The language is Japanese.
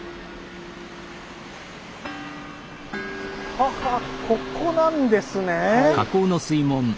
ははここなんですね。